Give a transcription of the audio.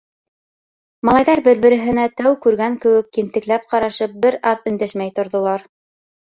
Малайҙар бер-береһенә, тәү күргән кеүек, ентекләп ҡарашып, бер аҙ өндәшмәй торҙолар.